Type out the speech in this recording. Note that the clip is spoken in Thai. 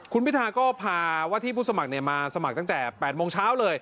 คุณพิธาก็พาว่าที่ผู้สมัครมาสมัครตั้งแต่๘โมงเช้าเลย